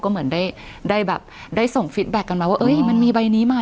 ก็เหมือนได้ได้แบบได้ส่งกันมาว่าเอ้ยมันมีใบนี้มา